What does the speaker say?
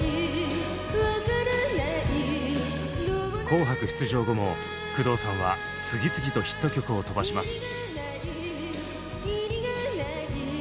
「紅白」出場後も工藤さんは次々とヒット曲を飛ばします。